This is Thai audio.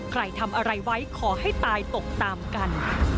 ใครทำอะไรไว้ขอให้ตายตกตามกัน